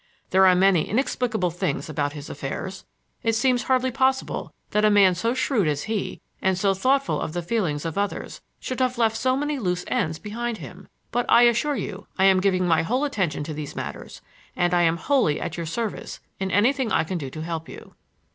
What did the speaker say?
There are many inexplicable things about his affairs. It seems hardly possible that a man so shrewd as he, and so thoughtful of the feelings of others, should have left so many loose ends behind him. But I assure you I am giving my whole attention to these matters, and I am wholly at your service in anything I can do to help you."